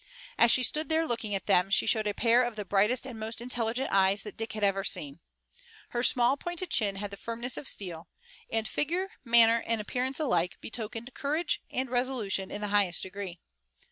As she stood there looking at them, she showed a pair of the brightest and most intelligent eyes that Dick had ever seen. Her small, pointed chin had the firmness of steel, and figure, manner and appearance alike betokened courage and resolution in the highest degree.